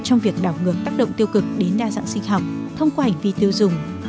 trong việc đảo ngược tác động tiêu cực đến đa dạng sinh học thông qua hành vi tiêu dùng